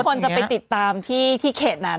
คนจะไปติดตามที่เขตนั้น